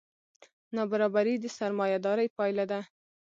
نابرابري د سرمایهدارۍ پایله ده.